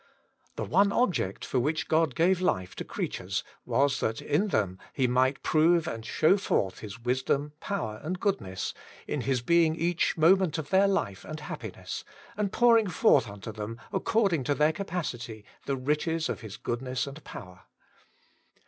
The one object for which God gave life to creatures was that in them He might prove and show forth His wisdom, power, and goodness, in His being each moment their life and happiness, and pouring forth unto them, according to their capacity, the riches of His goodness and power.